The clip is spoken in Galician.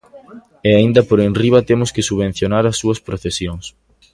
E aínda por enriba temos que subvencionar as súas procesións.